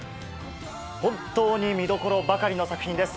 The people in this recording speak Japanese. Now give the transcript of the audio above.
本当に見どころばかりの作品です